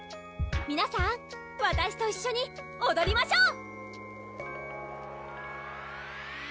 皆さんわたしと一緒におどりましょう！